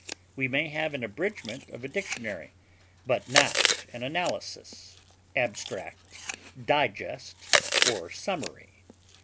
We may have an abridgment of a dictionary, but not an analysis, abstract, digest, or summary.